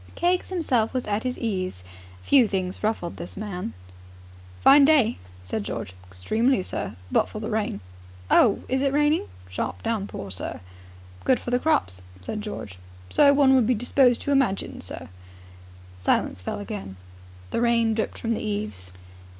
Keggs himself was at his ease. Few things ruffled this man. "Fine day," said George. "Extremely, sir, but for the rain." "Oh, is it raining?" "Sharp downpour, sir." "Good for the crops," said George. "So one would be disposed to imagine, sir." Silence fell again. The rain dripped from the eaves.